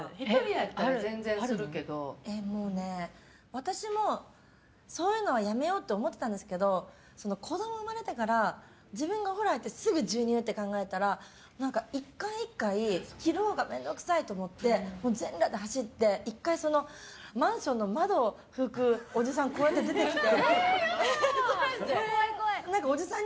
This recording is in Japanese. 私もそういうのはやめようって思ってたんですけど子供が生まれてから自分がお風呂入ってすぐ授乳って考えてたら１回１回着るほうが面倒くさいと思って全裸で走って、１回マンションの窓を拭くおじさんがこうやって出てきて。